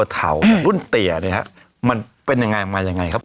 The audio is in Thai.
เถากับรุ่นเตี๋ยเนี่ยฮะมันเป็นยังไงมายังไงครับ